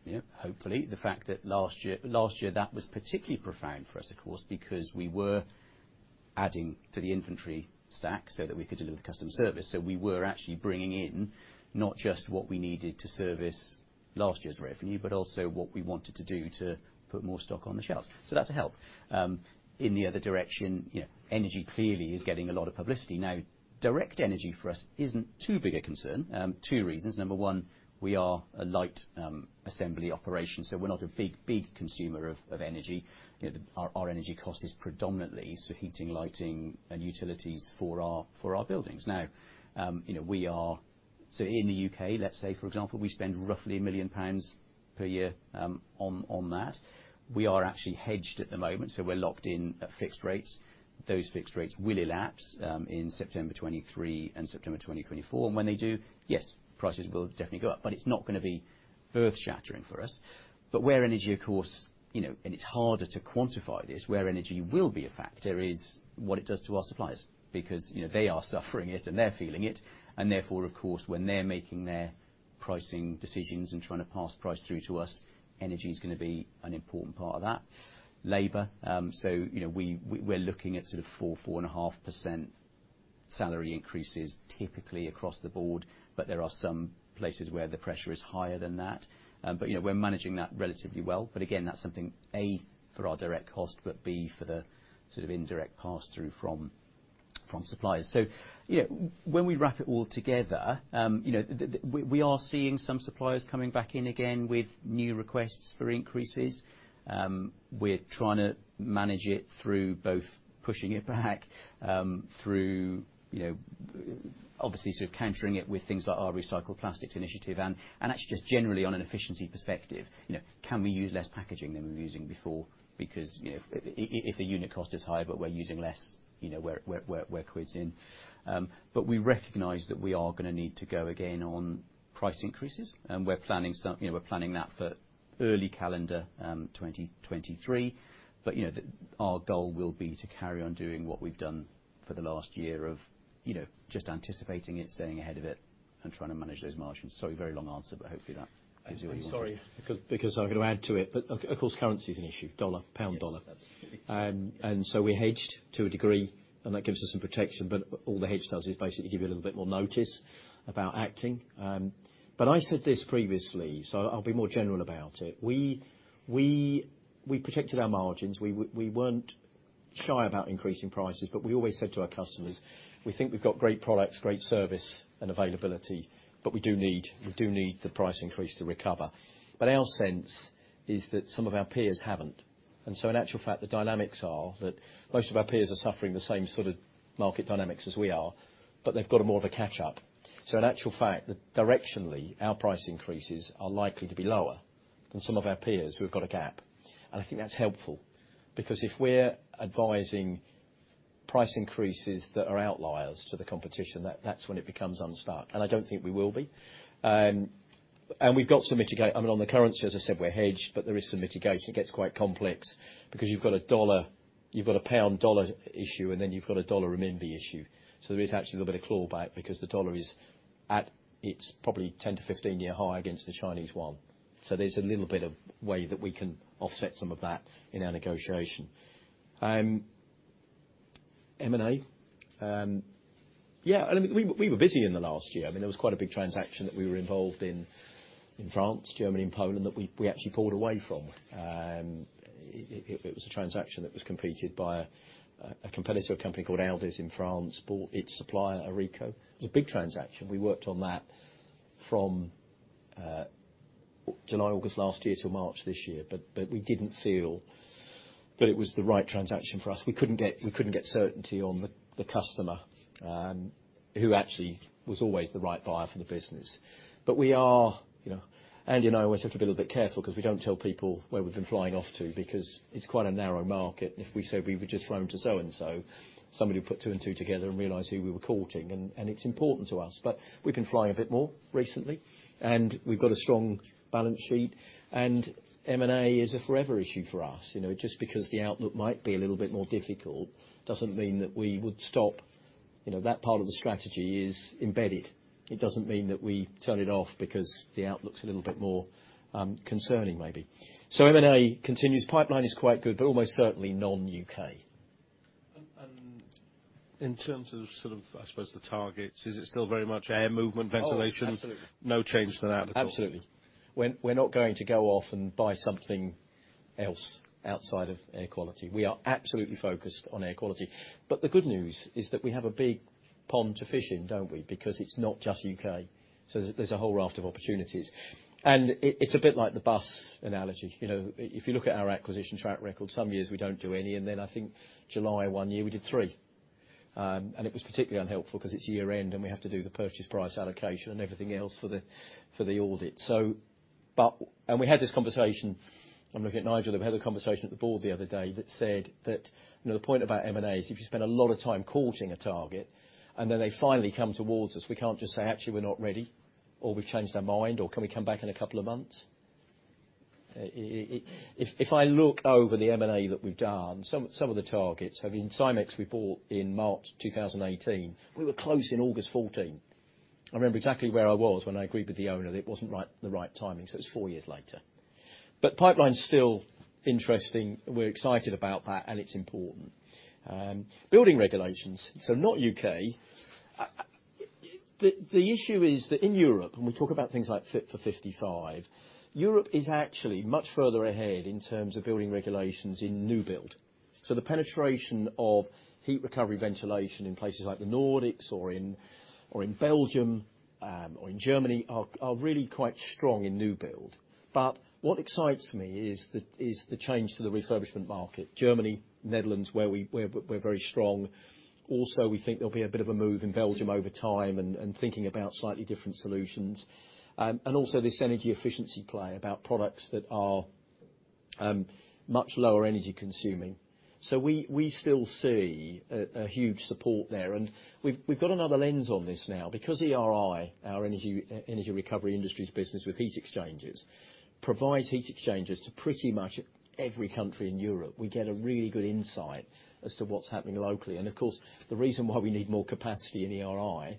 You know, hopefully the fact that last year that was particularly profound for us, of course, because we were adding to the inventory stack so that we could deliver the customer service. We were actually bringing in not just what we needed to service last year's revenue, but also what we wanted to do to put more stock on the shelves. That's a help. In the other direction, you know, energy clearly is getting a lot of publicity. Now, direct energy for us isn't too big a concern. Two reasons. Number one, we are a light assembly operation, so we're not a big consumer of energy. You know, our energy cost is predominantly so heating, lighting, and utilities for our buildings. Now, you know, in the UK, let's say, for example, we spend roughly 1 million pounds per year on that. We are actually hedged at the moment, so we're locked in at fixed rates. Those fixed rates will elapse in September 2023 and September 2024. When they do, yes, prices will definitely go up, but it's not gonna be earth-shattering for us. Where energy, of course, you know, and it's harder to quantify this, where energy will be a factor is what it does to our suppliers because, you know, they are suffering it, and they're feeling it. Therefore, of course, when they're making their pricing decisions and trying to pass price through to us, energy is gonna be an important part of that. Labor, so you know, we're looking at sort of 4-4.5% salary increases typically across the board, but there are some places where the pressure is higher than that. You know, we're managing that relatively well. Again, that's something, A, for our direct cost, but B, for the sort of indirect pass-through from suppliers. You know, when we wrap it all together, you know, we are seeing some suppliers coming back in again with new requests for increases. We're trying to manage it through both pushing it back, through, you know, obviously sort of countering it with things like our recycled plastics initiative, and actually just generally on an efficiency perspective. You know, can we use less packaging than we were using before? Because, you know, if the unit cost is higher, but we're using less, you know, we're quids in. But we recognize that we are gonna need to go again on price increases, and we're planning that for early calendar 2023. You know, our goal will be to carry on doing what we've done for the last year of, you know, just anticipating it, staying ahead of it, and trying to manage those margins. Sorry, very long answer, but hopefully that gives you what you want. I'm sorry because I'm gonna add to it. Of course, currency is an issue, dollar, pound dollar. Yes, absolutely. We hedged to a degree, and that gives us some protection. All the hedge does is basically give you a little bit more notice about acting. I said this previously, so I'll be more general about it. We protected our margins. We weren't shy about increasing prices, but we always said to our customers, we think we've got great products, great service and availability, but we do need the price increase to recover. Our sense is that some of our peers haven't. In actual fact, the dynamics are that most of our peers are suffering the same sort of market dynamics as we are, but they've got more of a catch up. In actual fact, directionally, our price increases are likely to be lower than some of our peers who've got a gap. I think that's helpful because if we're advising price increases that are outliers to the competition, that's when it becomes unstuck. I don't think we will be. I mean, on the currency, as I said, we're hedged, but there is some mitigation. It gets quite complex because you've got a pound dollar issue, and then you've got a dollar renminbi issue. There is actually a little bit of clawback because the dollar is at its probably 10-15-year high against the Chinese yuan. There's a little bit of way that we can offset some of that in our negotiation. M&A, yeah, we were busy in the last year. I mean, there was quite a big transaction that we were involved in France, Germany, and Poland that we actually pulled away from. It was a transaction that was completed by a competitor company called Aldes in France, bought its supplier, Aereco. It was a big transaction. We worked on that from July, August last year till March this year. But we didn't feel that it was the right transaction for us. We couldn't get certainty on the customer who actually was always the right buyer for the business. But we are, you know, Andy and I always have to be a little bit careful 'cause we don't tell people where we've been flying off to because it's quite a narrow market. If we said we were just flown to so and so, somebody would put two and two together and realize who we were courting, and it's important to us. We've been flying a bit more recently, and we've got a strong balance sheet, and M&A is a forever issue for us. You know, just because the outlook might be a little bit more difficult doesn't mean that we would stop. You know, that part of the strategy is embedded. It doesn't mean that we turn it off because the outlook's a little bit more concerning maybe. M&A continues. Pipeline is quite good, but almost certainly non-UK. In terms of sort of, I suppose the targets, is it still very much air movement ventilation? Oh, absolutely. No change to that at all. Absolutely. We're not going to go off and buy something else outside of air quality. We are absolutely focused on air quality. The good news is that we have a big pond to fish in, don't we? Because it's not just UK. There's a whole raft of opportunities. It's a bit like the bus analogy. You know, if you look at our acquisition track record, some years we don't do any, and then I think July 1 year we did 3. It was particularly unhelpful because it's year-end, and we have to do the purchase price allocation and everything else for the audit. We had this conversation. I'm looking at Nigel, and we had a conversation at the board the other day that said that, you know, the point about M&A is if you spend a lot of time courting a target, and then they finally come towards us, we can't just say, "Actually, we're not ready," or, "We've changed our mind," or, "Can we come back in a couple of months?" If I look over the M&A that we've done, some of the targets, I mean, Simx we bought in March 2018. We were close in August 2014. I remember exactly where I was when I agreed with the owner that it wasn't right, the right timing, so it's four years later. But pipeline's still interesting. We're excited about that, and it's important. Building regulations, so not UK. The issue is that in Europe, when we talk about things like Fit for 55, Europe is actually much further ahead in terms of building regulations in new build. The penetration of heat recovery ventilation in places like the Nordics or in Belgium or in Germany are really quite strong in new build. What excites me is the change to the refurbishment market. Germany, Netherlands, where we're very strong. Also, we think there'll be a bit of a move in Belgium over time and thinking about slightly different solutions. And also this energy efficiency play about products that are much lower energy consuming. We still see a huge support there. We've got another lens on this now because ERI, our Energy Recovery Industries business with heat exchangers, provides heat exchangers to pretty much every country in Europe. We get a really good insight as to what's happening locally. Of course, the reason why we need more capacity in ERI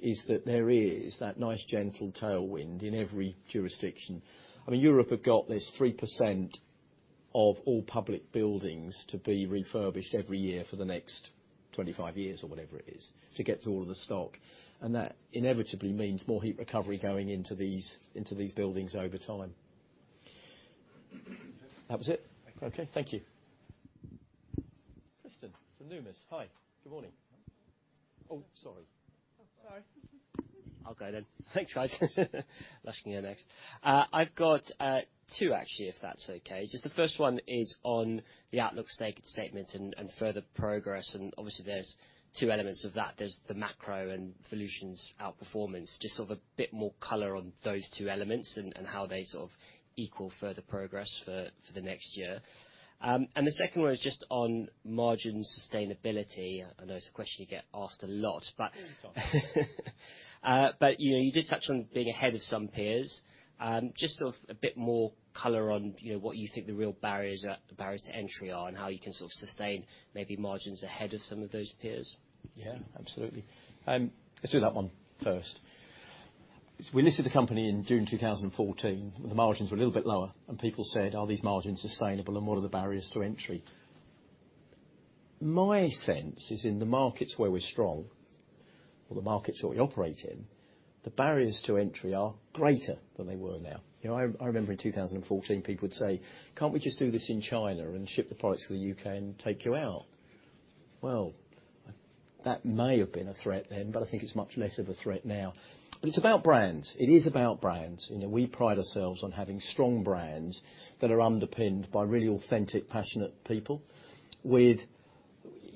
is that there is that nice, gentle tailwind in every jurisdiction. I mean, Europe have got this 3% of all public buildings to be refurbished every year for the next 25 years or whatever it is to get to all of the stock. That inevitably means more heat recovery going into these buildings over time. That was it? Thank you. Okay. Thank you. Christen from Numis. Hi, good morning. Sorry. I'll go then. Thanks, guys. Lush, you next. I've got 2 actually, if that's okay. Just the first one is on the outlook statement and further progress, and obviously there's 2 elements of that. There's the macro and Volution's outperformance. Just sort of a bit more color on those 2 elements and how they sort of equal further progress for the next year. The second one is just on margin sustainability. I know it's a question you get asked a lot, but. All the time. But you know, you did touch on being ahead of some peers. Just sort of a bit more color on, you know, what you think the real barriers are, barriers to entry are and how you can sort of sustain maybe margins ahead of some of those peers. Yeah, absolutely. Let's do that one first. We listed the company in June 2014. The margins were a little bit lower, and people said, "Are these margins sustainable and what are the barriers to entry?" My sense is in the markets where we're strong or the markets that we operate in, the barriers to entry are greater than they were now. You know, I remember in 2014 people would say, "Can't we just do this in China and ship the products to the UK and take you out?" Well, that may have been a threat then, but I think it's much less of a threat now. It's about brands. It is about brands. You know, we pride ourselves on having strong brands that are underpinned by really authentic, passionate people.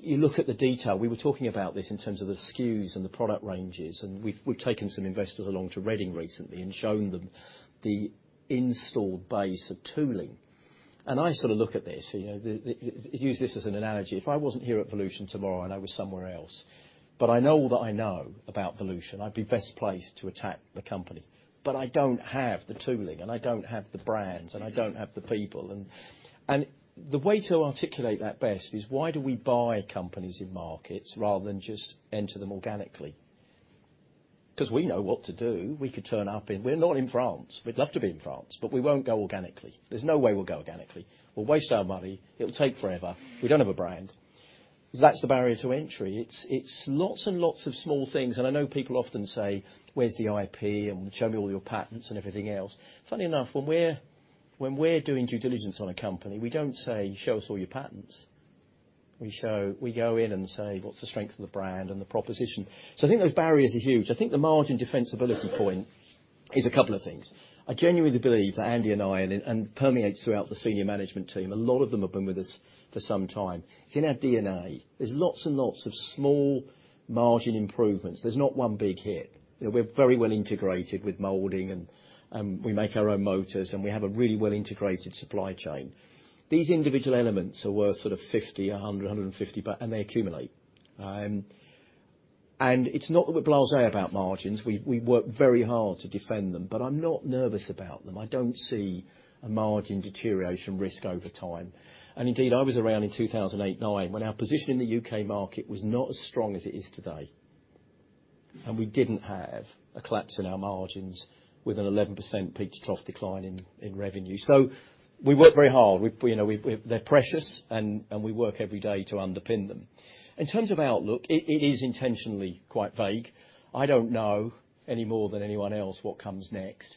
You look at the detail, we were talking about this in terms of the SKUs and the product ranges, and we've taken some investors along to Reading recently and shown them the installed base of tooling. I sort of look at this, you know. Use this as an analogy. If I wasn't here at Volution tomorrow and I was somewhere else, but I know all that I know about Volution, I'd be best placed to attack the company. But I don't have the tooling, and I don't have the brands, and I don't have the people. The way to articulate that best is why do we buy companies in markets rather than just enter them organically? 'Cause we know what to do. We're not in France. We'd love to be in France, but we won't go organically. There's no way we'll go organically. We'll waste our money. It'll take forever. We don't have a brand. That's the barrier to entry. It's lots and lots of small things. I know people often say, "Where's the IP?" and, "Show me all your patents and everything else." Funny enough, when we're doing due diligence on a company, we don't say, "Show us all your patents." We go in and say, "What's the strength of the brand and the proposition?" I think those barriers are huge. I think the margin defensibility point is a couple of things. I genuinely believe that Andy and I and permeates throughout the senior management team, a lot of them have been with us for some time. It's in our DNA. There's lots and lots of small margin improvements. There's not one big hit. You know, we're very well integrated with molding, and we make our own motors, and we have a really well-integrated supply chain. These individual elements are worth sort of 50, 100, 150, but they accumulate. It's not that we're blasé about margins. We work very hard to defend them, but I'm not nervous about them. I don't see a margin deterioration risk over time. Indeed, I was around in 2008, '09, when our position in the U.K. market was not as strong as it is today. We didn't have a collapse in our margins with an 11% peak trough decline in revenue. We worked very hard. You know, we've They're precious, and we work every day to underpin them. In terms of outlook, it is intentionally quite vague. I don't know any more than anyone else what comes next,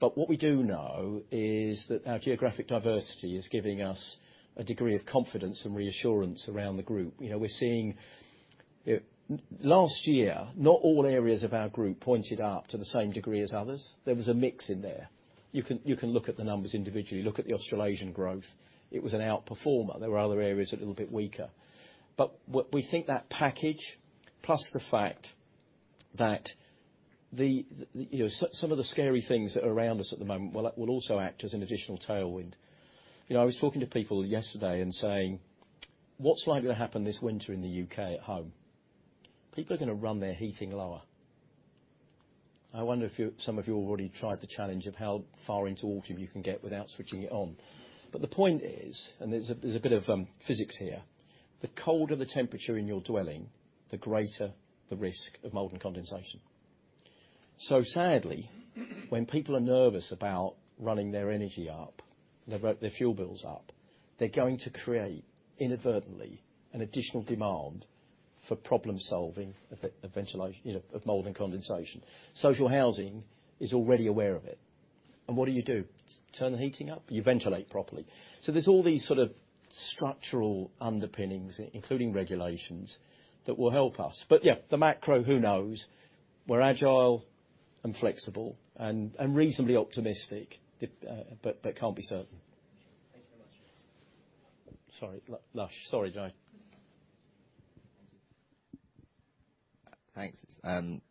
but what we do know is that our geographic diversity is giving us a degree of confidence and reassurance around the group. You know, last year, not all areas of our group pointed up to the same degree as others. There was a mix in there. You can look at the numbers individually. Look at the Australasian growth. It was an outperformer. There were other areas that were a little bit weaker. What we think that package, plus the fact that the, you know, some of the scary things that are around us at the moment will also act as an additional tailwind. You know, I was talking to people yesterday and saying, "What's likely to happen this winter in the UK at home?" People are gonna run their heating lower. I wonder if you, some of you already tried the challenge of how far into autumn you can get without switching it on. The point is, there's a bit of physics here, the colder the temperature in your dwelling, the greater the risk of mold and condensation. Sadly, when people are nervous about running their energy up, about their fuel bills up, they're going to create, inadvertently, an additional demand for problem-solving of ventilation you know of mold and condensation. Social housing is already aware of it. What do you do? Turn the heating up? You ventilate properly. There's all these sort of structural underpinnings, including regulations, that will help us. Yeah, the macro, who knows? We're agile and flexible and reasonably optimistic, but can't be certain. Thank you very much. Sorry, Lush. Sorry, Jay. Thank you. Thanks. It's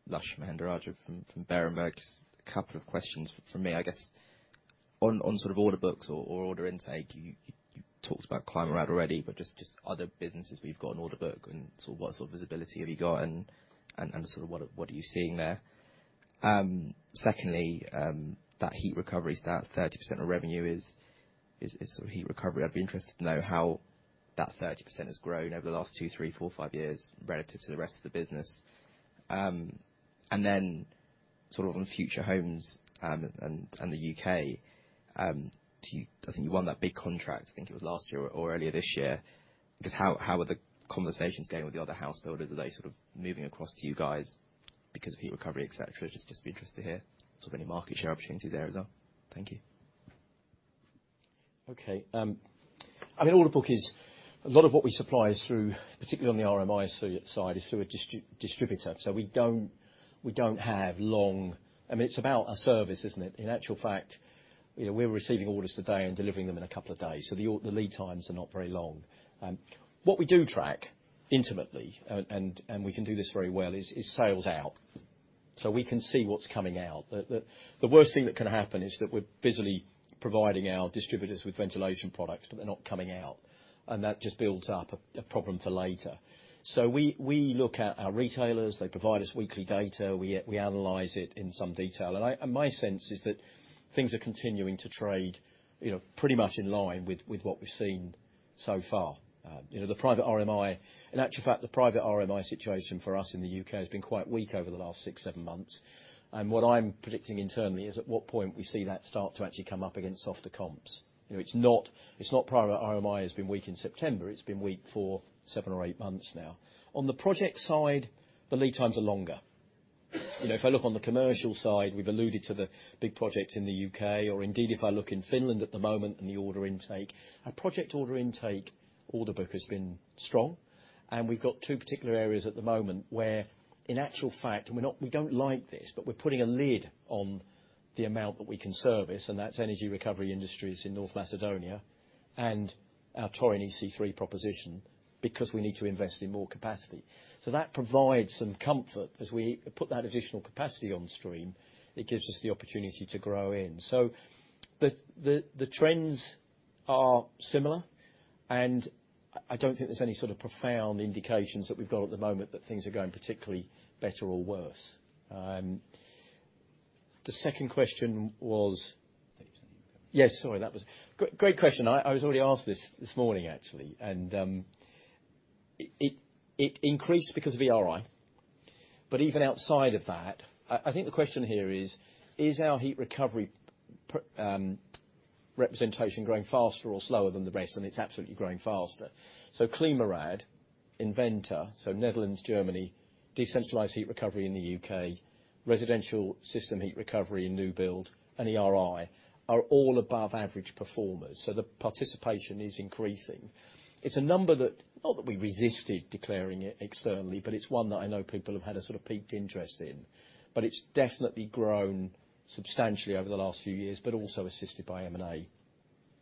Lush Mehendranjan from Berenberg. Just a couple of questions from me. I guess on sort of order books or order intake, you talked about ClimaRad already, but just other businesses where you've got an order book and sort of what sort of visibility have you got and sort of what are you seeing there? Secondly, that heat recovery, so that 30% of revenue is sort of heat recovery. I'd be interested to know how that 30% has grown over the last two, three, four, five years relative to the rest of the business. Then sort of on future homes and the UK, do you? I think you won that big contract, I think it was last year or earlier this year. Just how are the conversations going with the other house builders? Are they sort of moving across to you guys because of heat recovery, et cetera? Just be interested to hear sort of any market share opportunities there as well. Thank you. Okay. I mean, order book is. A lot of what we supply is through, particularly on the RMI side, is through a distributor. We don't have long. I mean, it's about a service, isn't it? In actual fact, you know, we're receiving orders today and delivering them in a couple of days. The lead times are not very long. What we do track intimately, and we can do this very well, is sales out. We can see what's coming out. The worst thing that can happen is that we're busily providing our distributors with ventilation products, but they're not coming out. That just builds up a problem for later. We look at our retailers. They provide us weekly data. We analyze it in some detail. My sense is that things are continuing to trade, you know, pretty much in line with what we've seen so far. You know, the private RMI, in actual fact, the private RMI situation for us in the U.K. has been quite weak over the last 6-7 months. What I'm predicting internally is at what point we see that start to actually come up against softer comps. You know, it's not private RMI has been weak in September. It's been weak for 7 or 8 months now. On the project side, the lead times are longer. You know, if I look on the commercial side, we've alluded to the big project in the U.K., or indeed if I look in Finland at the moment and the order intake. Our project order intake order book has been strong. We've got two particular areas at the moment where, in actual fact, we don't like this, but we're putting a lid on the amount that we can service, and that's Energy Recovery Industries in North Macedonia and our Torin EC3 proposition, because we need to invest in more capacity. That provides some comfort as we put that additional capacity on stream. It gives us the opportunity to grow in. The trends are similar, and I don't think there's any sort of profound indications that we've got at the moment that things are going particularly better or worse. The second question was... I think you said heat recovery. Great question. I was already asked this morning, actually. It increased because of ERI. But even outside of that, I think the question here is our heat recovery representation growing faster or slower than the rest? It's absolutely growing faster. ClimaRad, inVENTer, so Netherlands, Germany, decentralized heat recovery in the UK, residential system heat recovery in new build, and ERI are all above average performers. The participation is increasing. It's a number that, not that we resisted declaring it externally, but it's one that I know people have had a sort of piqued interest in. It's definitely grown substantially over the last few years, but also assisted by M&A.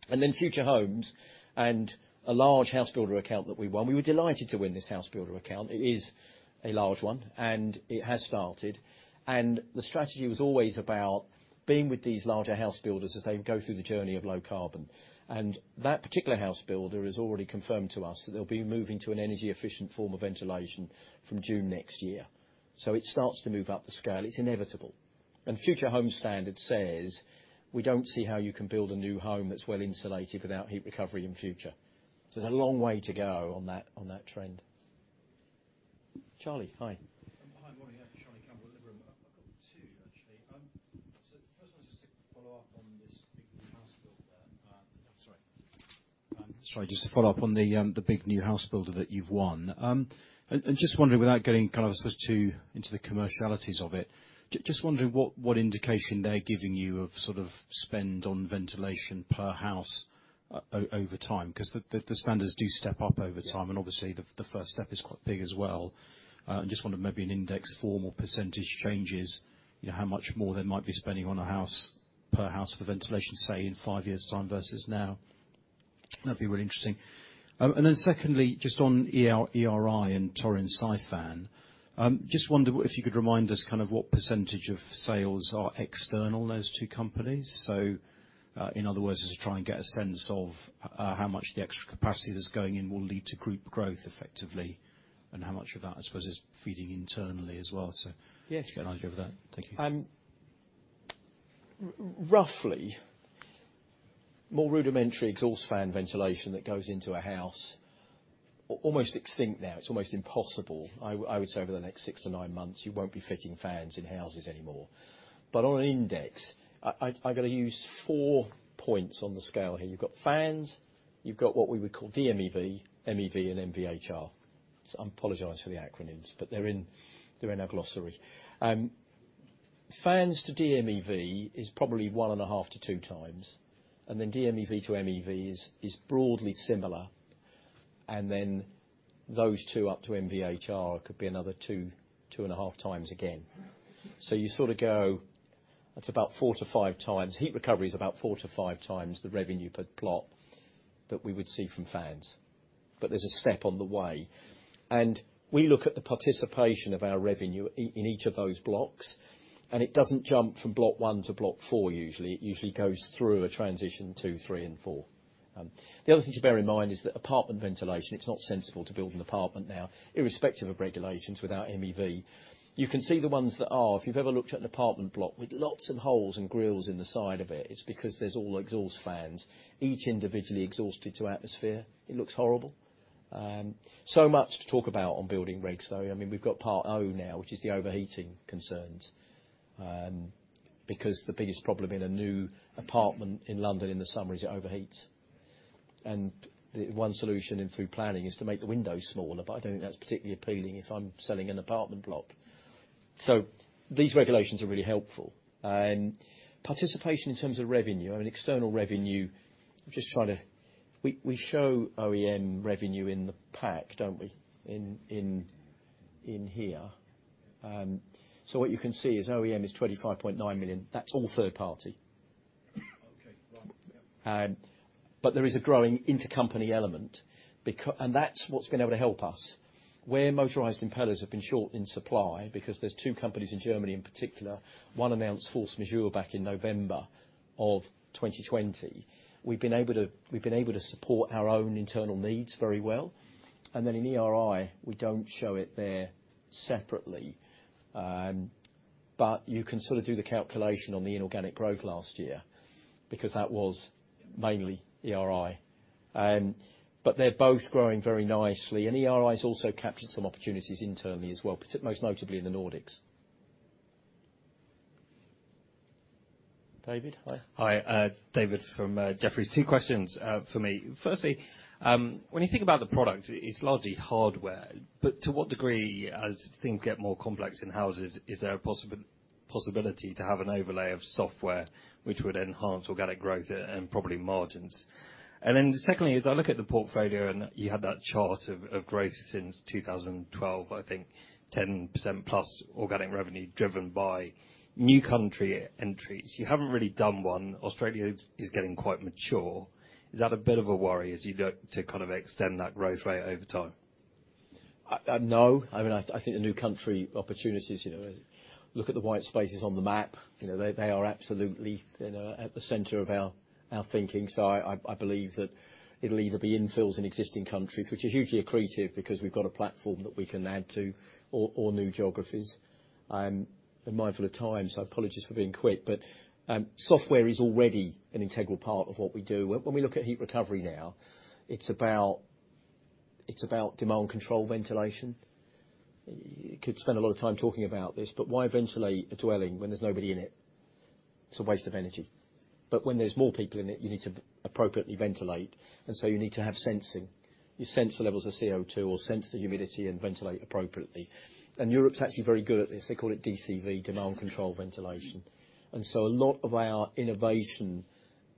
Then Future Homes and a large house builder account that we won. We were delighted to win this house builder account. It is a large one, and it has started. The strategy was always about being with these larger house builders as they go through the journey of low carbon. That particular house builder has already confirmed to us that they'll be moving to an energy-efficient form of ventilation from June next year. It starts to move up the scale. It's inevitable. Future Homes Standard says we don't see how you can build a new home that's well-insulated without heat recovery in future. There's a long way to go on that, on that trend. Charlie, hi. Hi. Morning. Charlie Campbell at Liberum. I've got two actually. The first one is just to follow up on the big new house builder that you've won. Just wondering, without getting kind of I suppose too into the commercialities of it, just wondering what indication they're giving you of sort of spend on ventilation per house over time, 'cause the standards do step up over time, and obviously the first step is quite big as well. Just wondered maybe an index form or percentage changes, you know, how much more they might be spending on a house per house for ventilation, say in 5 years' time versus now. That'd be really interesting. Secondly, just on ERI and Torin-Sifan, just wondered if you could remind us kind of what percentage of sales are external in those two companies. In other words, just to try and get a sense of how much the extra capacity that's going in will lead to group growth effectively, and how much of that I suppose is feeding internally as well. Yes. Get an idea of that. Thank you. Roughly, more rudimentary exhaust fan ventilation that goes into a house, almost extinct now. It's almost impossible. I would say within the next 6 to 9 months, you won't be fitting fans in houses anymore. On an index, I'm gonna use 4 points on the scale here. You've got fans, you've got what we would call DMEV, MEV, and MVHR. I apologize for the acronyms, but they're in our glossary. Fans to DMEV is probably 1.5-2 times, and then DMEV to MEV is broadly similar. Then those two up to MVHR could be another 2-2.5 times again. You sort of go. That's about 4-5 times. Heat recovery is about 4-5 times the revenue per plot that we would see from fans. There's a step on the way. We look at the participation of our revenue in each of those blocks, and it doesn't jump from Block 1 to Block 4 usually. It usually goes through a transition 2, 3, and 4. The other thing to bear in mind is that apartment ventilation, it's not sensible to build an apartment now, irrespective of regulations, without MEV. You can see the ones that are. If you've ever looked at an apartment block with lots of holes and grilles in the side of it's because there's all exhaust fans, each individually exhausted to atmosphere. It looks horrible. Much to talk about on building regs, though. I mean, we've got Part O now, which is the overheating concerns, because the biggest problem in a new apartment in London in the summer is it overheats. One solution in town planning is to make the windows smaller, but I don't think that's particularly appealing if I'm selling an apartment block. These regulations are really helpful. Participation in terms of revenue, I mean, external revenue. We show OEM revenue in the pack, don't we? In here. What you can see is OEM is 25.9 million. That's all third party. Okay. Right. Yep. There is a growing intercompany element and that's what's been able to help us. Where motorized impellers have been short in supply, because there are two companies in Germany in particular, one announced force majeure back in November 2020, we've been able to support our own internal needs very well. Then in ERI, we don't show it there separately, but you can sort of do the calculation on the inorganic growth last year because that was mainly ERI. They're both growing very nicely. ERI has also captured some opportunities internally as well, most notably in the Nordics. David, hi. Hi. David from Jefferies. 2 questions from me. Firstly, when you think about the product, it's largely hardware, but to what degree, as things get more complex in houses, is there a possibility to have an overlay of software which would enhance organic growth and probably margins? Then secondly, as I look at the portfolio and you had that chart of growth since 2012, I think 10%+ organic revenue driven by new country entries. You haven't really done one. Australia is getting quite mature. Is that a bit of a worry as you look to kind of extend that growth rate over time? No. I mean, I think the new country opportunities, you know, look at the white spaces on the map, you know, they are absolutely, you know, at the center of our thinking. I believe that it'll either be infills in existing countries, which are hugely accretive because we've got a platform that we can add to, or new geographies. I'm mindful of time, so apologies for being quick, but software is already an integral part of what we do. When we look at heat recovery now, it's about demand controlled ventilation. You could spend a lot of time talking about this, but why ventilate a dwelling when there's nobody in it? It's a waste of energy. When there's more people in it, you need to appropriately ventilate, and so you need to have sensing. You sense the levels of CO2 or sense the humidity and ventilate appropriately. Europe's actually very good at this. They call it DCV, demand controlled ventilation. A lot of our innovation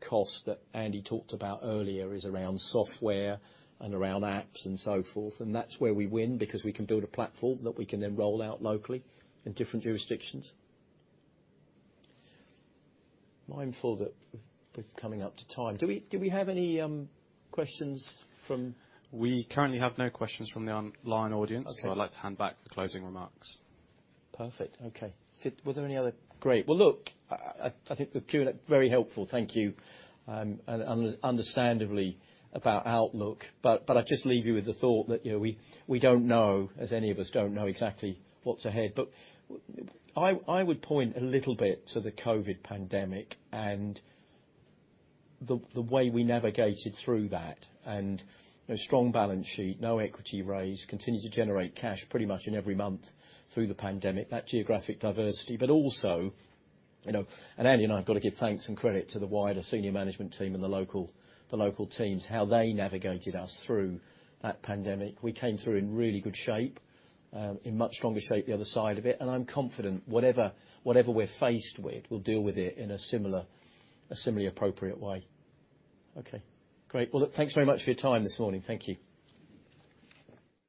costs that Andy talked about earlier is around software and around apps and so forth, and that's where we win because we can build a platform that we can then roll out locally in different jurisdictions. Mindful that we're coming up to time. Do we have any questions from- We currently have no questions from the online audience. Okay. I'd like to hand back for closing remarks. Great. Well, look, I think the Q&A very helpful. Thank you, and understandably about outlook, but I'll just leave you with the thought that, you know, we don't know, as any of us don't know exactly what's ahead. I would point a little bit to the COVID pandemic and the way we navigated through that and, you know, strong balance sheet, no equity raise, continued to generate cash pretty much in every month through the pandemic, that geographic diversity. Also, you know, and Andy and I've got to give thanks and credit to the wider senior management team and the local teams, how they navigated us through that pandemic. We came through in really good shape, in much stronger shape the other side of it, and I'm confident whatever we're faced with, we'll deal with it in a similarly appropriate way. Okay, great. Well, look, thanks very much for your time this morning. Thank you.